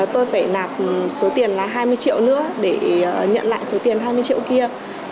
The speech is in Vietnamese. tôi phải nạp số tiền là hai mươi triệu nữa để nhận lại số tiền hai mươi triệu kia